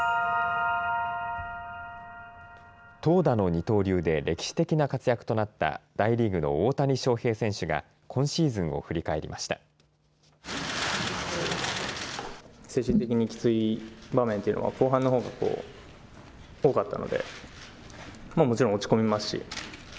投打の二刀流で歴史的な活躍となった大リーグの大谷翔平選手が今シーズンを振り返りました。